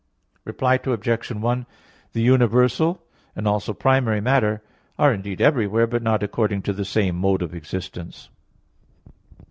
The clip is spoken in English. Reply Obj. 1: The universal, and also primary matter are indeed everywhere; but not according to the same mode of existence.